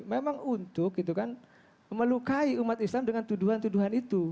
memang untuk melukai umat islam dengan tuduhan tuduhan itu